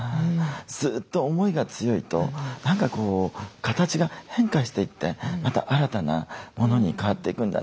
ずっと思いが強いと何かこう形が変化していってまた新たなものに変わっていくんだな。